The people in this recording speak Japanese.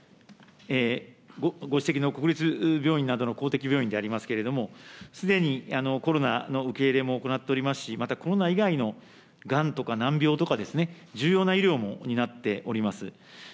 ご指摘の国立病院などの公的病院でありますけれども、すでにコロナの受け入れも行っておりますし、また、コロナ以外のがんとか難病とかですね、重要な医療も担っております。